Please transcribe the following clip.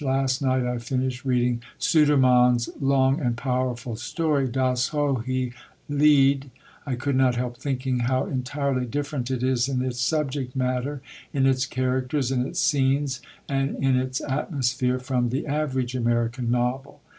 Last night I finished reading Sudermann's long and powerful story, Das hohe Lied. I could not help thinking how entirely different it is in its subject matter, in its characters, in its scenes, and in its atmosphere, from the average American novel.